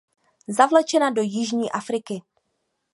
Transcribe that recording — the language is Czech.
Zavlečena do jižní Afriky.